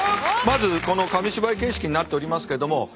まずこの紙芝居形式になっておりますけども。